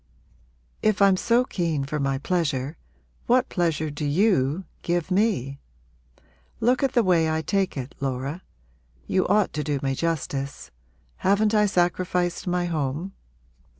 If I'm so keen for my pleasure what pleasure do you give me? Look at the way I take it, Laura. You ought to do me justice. Haven't I sacrificed my home?